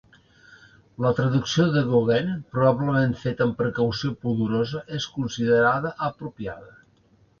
La traducció de Gauguin, probablement feta amb precaució pudorosa, es considera apropiada.